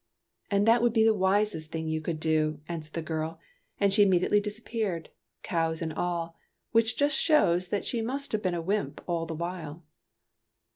" And that would be the wisest thing you could do," answered the girl; and she immedi ately disappeared, cows and all, which just shows that she must have been a wymp all the while.